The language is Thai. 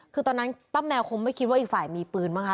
คือตอนนั้นป้าแมวคงไม่คิดว่าอีกฝ่ายมีปืนบ้างคะ